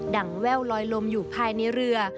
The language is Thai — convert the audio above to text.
ั่งแว่วลอยลมอยู่ภายในเรือ